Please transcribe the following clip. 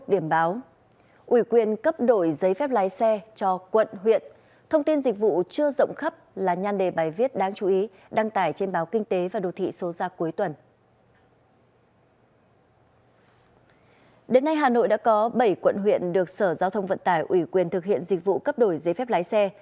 đến nay hà nội đã có bảy quận huyện được sở giao thông vận tải ủy quyền thực hiện dịch vụ cấp đổi giấy phép lái xe